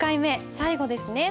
最後ですね。